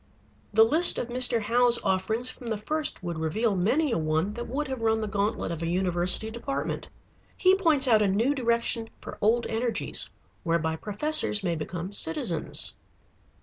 The list of Mr. Howe's offerings from the first would reveal many a one that would have run the gantlet of a university department. He points out a new direction for old energies, whereby professors may become citizens.